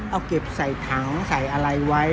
เอาเก็บใส่ถังใส่อะไรไว้